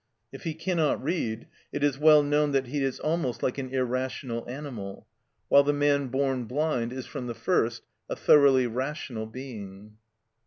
If he cannot read, it is well known that he is almost like an irrational animal, while the man born blind is from the first a thoroughly rational being.